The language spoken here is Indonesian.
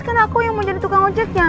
karena aku yang mau jadi tukang ojek ya